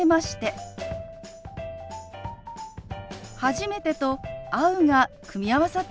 「初めて」と「会う」が組み合わさった表現です。